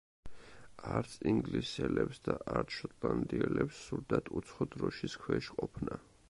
არც ინგლისელებს და არც შოტლანდიელებს სურდათ უცხო დროშის ქვეშ ყოფნა.